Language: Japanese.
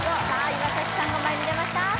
岩さんが前に出ました